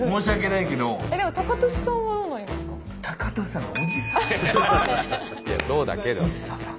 いやそうだけど。